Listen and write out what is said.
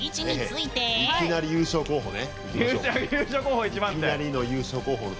いきなり優勝候補ね。